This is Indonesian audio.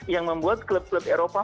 yang membuat klub klub eropa